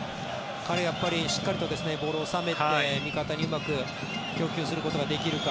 彼はしっかりとボールを収めて味方にうまく供給することができるか。